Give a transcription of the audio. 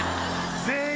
全員。